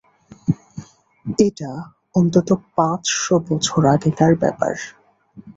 এটা অন্তত পাঁচ-শ বছর আগেকার ব্যাপার।